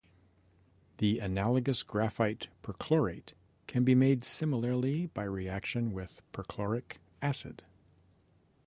The analogous graphite perchlorate can be made similarly by reaction with perchloric acid.